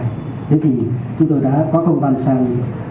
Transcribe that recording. thế thì chúng tôi đã có công an sang